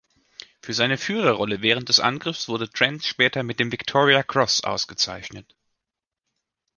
Für seine Führerrolle während des Angriffs wurde Trent später mit dem Victoria Cross ausgezeichnet.